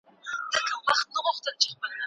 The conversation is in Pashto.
پر دغه سپېڅلي سفر باندي تلل د الله تعالی لوی فضل دی.